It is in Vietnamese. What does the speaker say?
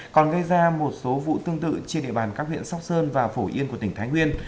còn gây ra một số vụ tương tự trên địa bàn các huyện sóc sơn và phổ yên của tỉnh thái nguyên